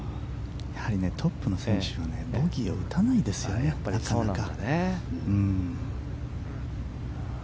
トップの選手はボギーを打たないですなかなか。